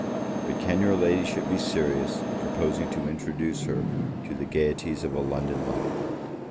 But can your Ladyship be serious in proposing to introduce her to the gaieties of a London life?